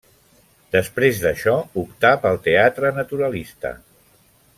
Després d'això optà pel teatre naturalista.